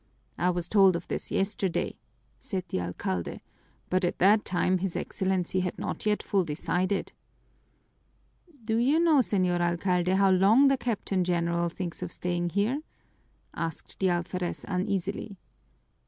"I was told of this yesterday," said the alcalde, "but at that time his Excellency had not yet fully decided." "Do you know, Señor Alcalde, how long the Captain General thinks of staying here?" asked the alferez uneasily.